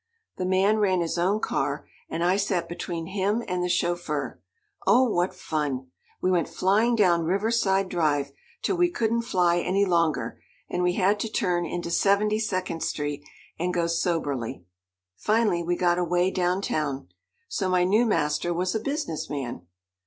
The man ran his own car, and I sat between him and the chauffeur. Oh! what fun. We went flying down Riverside Drive, till we couldn't fly any longer, and we had to turn into Seventy Second Street and go soberly. Finally we got away down town. So my new master was a business man.